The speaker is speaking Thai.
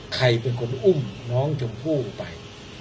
ใครเป็นคนอุ้มน้องชมพู่ไป